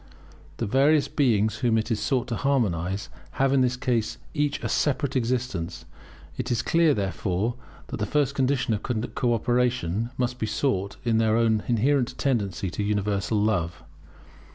The various beings whom it is sought to harmonize have in this case each a separate existence; it is clear, therefore, that the first condition of co operation must be sought in their own inherent tendency to universal love.